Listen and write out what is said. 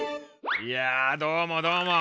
いやどうもどうも。